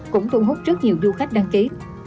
cũng thu hút rất nhiều du khách đăng ký